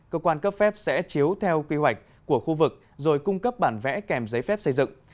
cơ quan cấp phép sẽ chiếu theo quy hoạch của khu vực rồi cung cấp bản vẽ kèm giấy phép xây dựng